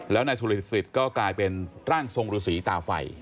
แล้วนายสุรสิตก็กลายเป็นร่างทรงศูนย์ศรีตาไฝ